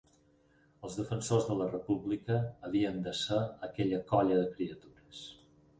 Els defensors de la República havien de ser aquella colla de criatures